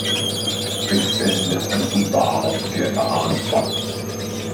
Ik vind dit een totaal verkeerde aanpak.